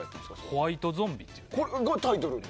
「ホワイトゾンビ」っていうタイトルで。